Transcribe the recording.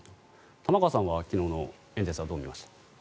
玉川さんは昨日の演説はどう見ましたか。